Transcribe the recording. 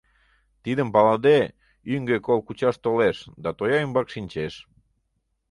Тидым палыде, ӱҥгӧ кол кучаш толеш да тоя ӱмбак шинчеш.